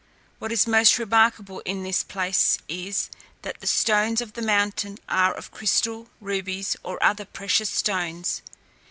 What is most remarkable in this place is, that the stones of the mountain are of crystal, rubies, or other precious stones.